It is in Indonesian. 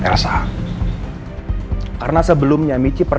nah tadi yang kalian lihat